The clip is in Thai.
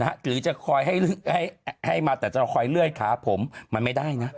นะฮะหรือจะคอยให้ให้ให้มาแต่จะคอยเลื่อยขาผมมันไม่ได้น่ะ